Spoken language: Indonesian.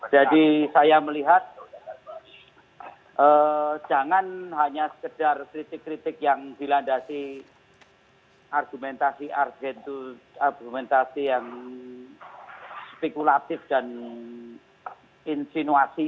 jadi saya melihat jangan hanya sekedar kritik kritik yang dilandasi argumentasi argumentasi yang spekulatif dan insinuasi